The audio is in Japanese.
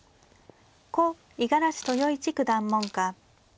故五十嵐豊一九段門下。